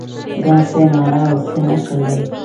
دا څه ناره او څه نقل دی.